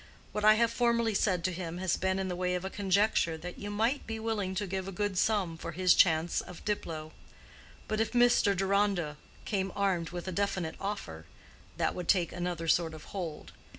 What I have formerly said to him has been in the way of a conjecture that you might be willing to give a good sum for his chance of Diplow; but if Mr. Deronda came armed with a definite offer, that would take another sort of hold.